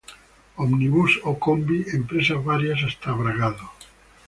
Ómnibus o combi: empresas varias hasta Bragado.